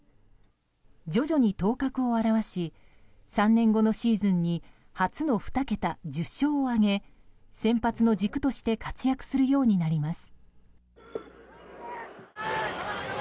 徐々に頭角を現し３年後のシーズンに初の２桁１０勝を挙げ先発の軸として活躍するようになります。